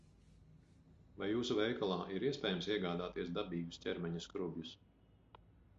Vai jūsu veikalā ir iespējams iegādāties dabīgus ķermeņa skrubjus?